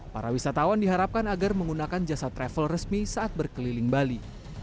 para wisatawan diharapkan agar menggunakan jasa travel resmi saat berkeliling bali